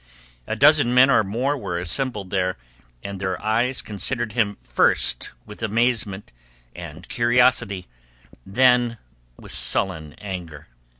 A dozen men or more were assembled there, and their eyes considered him first with amazement and curiosity, then with sullen anger.